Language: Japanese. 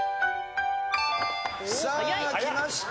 さあきました。